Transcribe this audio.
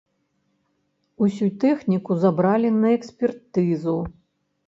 Усю тэхніку забралі на экспертызу.